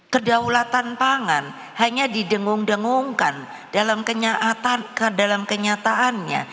kedaulatan pangan hanya didengung dengungkan dalam kenyataannya